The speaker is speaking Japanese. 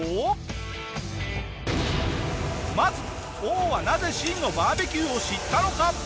まず王はなぜ真のバーベキューを知ったのか？